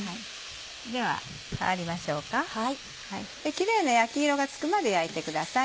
キレイな焼き色がつくまで焼いてください。